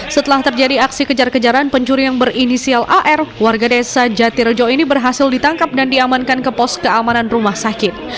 setelah terjadi aksi kejar kejaran pencuri yang berinisial ar warga desa jatirejo ini berhasil ditangkap dan diamankan ke pos keamanan rumah sakit